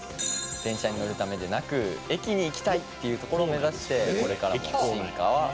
「電車に乗るためでなく駅に行きたいっていうところを目指してこれからも進化は続いていきます」